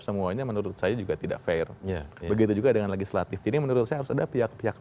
semuanya menurut saya juga tidak fair begitu juga dengan legislatif jadi menurut saya harus ada pihak pihak